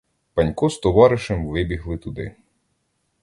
Панько з товаришем вибігли туди.